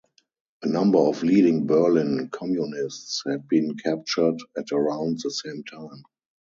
A number of leading Berlin communists had been captured at around the same time.